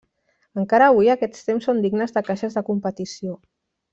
Encara avui, aquests temps són dignes de caixes de competició.